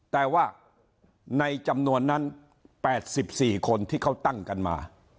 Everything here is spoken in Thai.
แต่ว่าในจำนวนนั้น๘๔คนที่เขาตั้งกันมา